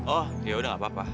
oh yaudah gak apa apa